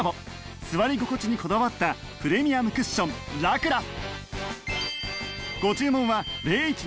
座り心地にこだわったプレミアムクッションラクラ